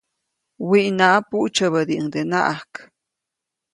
Wiʼnaʼa, puʼtsyäbädiʼuŋdenaʼajk.